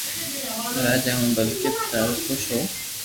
راجي ھون بلڪي ڌادو خوݾ ھون